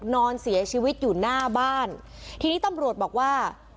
นอนเสียชีวิตอยู่หน้าบ้านทีนี้ตำรวจบอกว่า